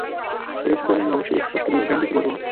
এরূপ করলে আমি অবশ্যই-স্পষ্ট বিভ্রান্তিতে পড়ব।